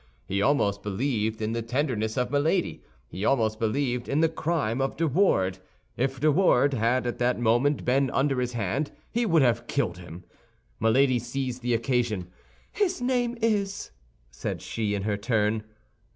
He almost believed in the tenderness of Milady; he almost believed in the crime of De Wardes. If De Wardes had at that moment been under his hand, he would have killed him. Milady seized the occasion. "His name is—" said she, in her turn.